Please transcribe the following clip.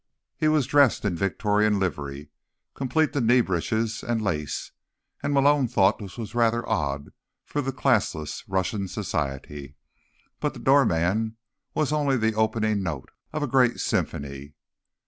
He was dressed in Victorian livery, complete to knee breeches and lace, and Malone thought this was rather odd for the classless Russian society. But the doorman was only the opening note of a great symphony.